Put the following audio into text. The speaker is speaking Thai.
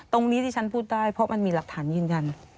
ตรงนี้ที่ฉันพูดได้เพราะมันมีหลักฐานยืนยัน